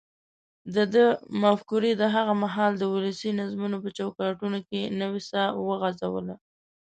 دده مفکورې د هغه مهال د ولسي نظمونو په چوکاټونو کې نوې ساه وغځوله.